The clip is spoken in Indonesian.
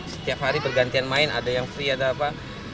setiap hari bergantian main ada yang free ada apa